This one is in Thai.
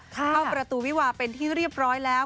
เข้าประตูวิวาเป็นที่เรียบร้อยแล้ว